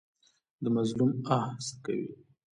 د مظلوم آه څه کوي؟